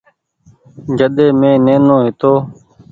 مين جڏي نينو هيتو ۔